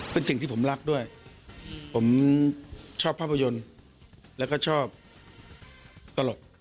เป็นสิ่งที่ผมรักด้วยผมชอบภาพยนตร์แล้วก็ชอบตลก